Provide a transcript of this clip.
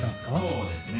そうですね。